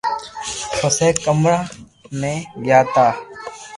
پسي ڪمرا مي گيا تا